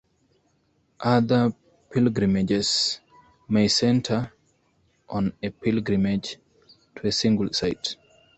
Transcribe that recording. Other pilgrimages may center on a pilgrimage to a single site.